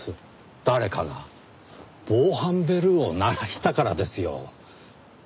誰かが防犯ベルを鳴らしたからですよ。